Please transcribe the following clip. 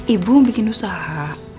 ibu mau bikin usaha